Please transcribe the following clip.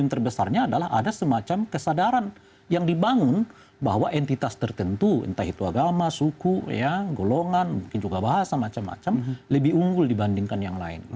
yang terbesarnya adalah ada semacam kesadaran yang dibangun bahwa entitas tertentu entah itu agama suku golongan mungkin juga bahasa macam macam lebih unggul dibandingkan yang lain